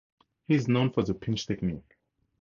He is known for the Pinch Technique.